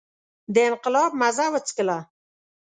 د انقلاب مزه وڅکله.